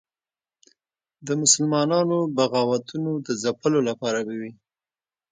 د مسلمانانو بغاوتونو د ځپلو لپاره به وي.